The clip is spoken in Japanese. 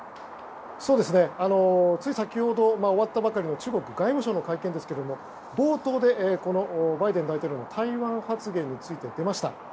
つい先ほど終わったばかりの中国外務省の会見ですが冒頭でバイデン大統領の台湾発言について出ました。